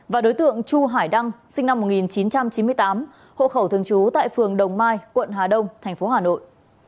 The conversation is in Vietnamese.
và đối tượng chu hải đăng sinh năm một nghìn chín trăm chín mươi tám hộ khẩu thường trú tại phường đồng mai quận hà đông tp hà nội